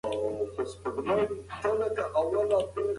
صفوي ایران تل د پښتنو د بې اتفاقۍ هڅه کوله.